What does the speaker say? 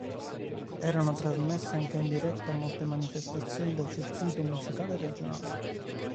Erano trasmesse anche in diretta molte manifestazioni del circuito musicale regionale.